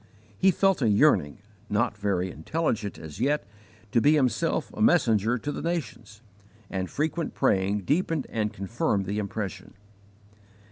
He felt a yearning not very intelligent as yet to be himself a messenger to the nations, and frequent praying deepened and confirmed the impression.